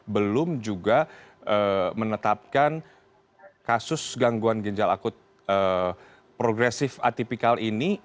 belum juga menetapkan kasus gangguan ginjal akut progresif atipikal ini